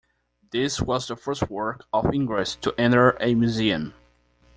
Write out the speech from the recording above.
This was the first work of Ingres to enter a museum.